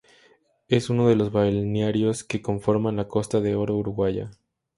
Es uno de los balnearios que conforman la Costa de Oro uruguaya.